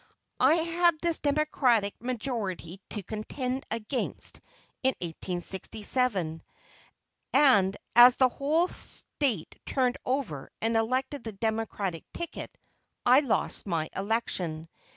I had this democratic majority to contend against in 1867, and as the whole State turned over and elected the democratic ticket, I lost my election.